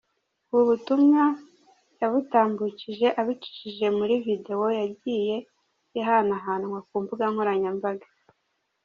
Ubu butubwa yabutambukije abicishije muri video yagiye ihanahanwa ku mbuga nkoranyambaga.